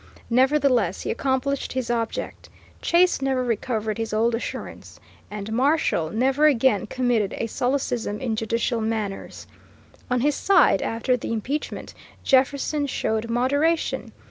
Nevertheless, he accomplished his object. Chase never recovered his old assurance, and Marshall never again committed a solecism in judicial manners. On his side, after the impeachment, Jefferson showed moderation.